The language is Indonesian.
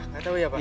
gak tahu ya pak